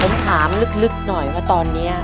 ผมถามลึกหน่อยว่าตอนนี้